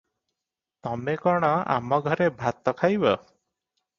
ତମେ କଣ ଆମଘରେ ଭାତ ଖାଇବ?